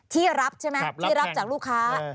ที่รับใช่ไหมที่รับจากลูกค้า